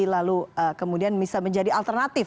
lalu kemudian bisa menjadi alternatif